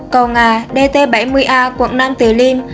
cầu ngà dt bảy mươi a quận nam từ liêm